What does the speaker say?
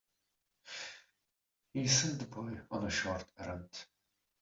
He sent the boy on a short errand.